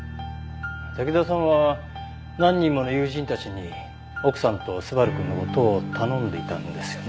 滝沢さんは何人もの友人たちに奥さんと昴くんの事を頼んでいたんですよね。